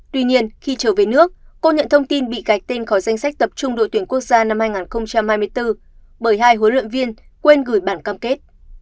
tuy nhiên khi trở về nước cô nhận thông tin bị gạch tên khỏi danh sách tập trung đội tuyển quốc gia năm hai nghìn hai mươi bốn bởi hai huấn luyện viên quên gửi bản cam kết